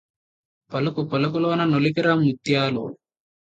పలుకుపలుకులోన నొలికెరా ముత్యాలు